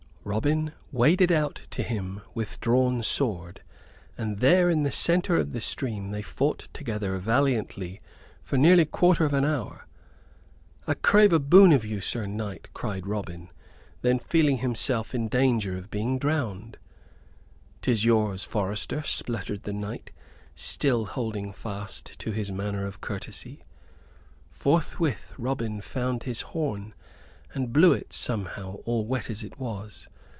Robin waded out to him with drawn sword; and there in the center of the stream they fought together valiantly for near a quarter of an hour. "I crave a boon of you, Sir Knight," cried Robin, then feeling himself in danger of being drowned. "'Tis yours, forester," spluttered the knight, still holding fast to his manner of courtesy. Forthwith Robin found his horn, and blew it somehow, all wet as it was.